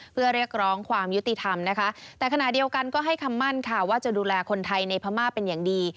เพื่อเรียกร้องความยุติธรรมนะคะแต่ขณะเดียวกันก็ให้คำมั่นค่ะว่าจะดูแลคนไทยในพม่าเป็นอย่างดี